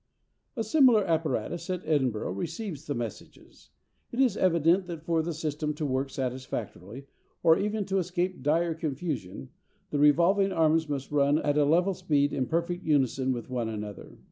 A similar apparatus at Edinburgh receives the messages. It is evident that for the system to work satisfactorily, or even to escape dire confusion, the revolving arms must run at a level speed in perfect unison with one another.